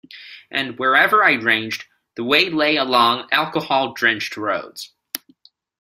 And wherever I ranged, the way lay along alcohol-drenched roads.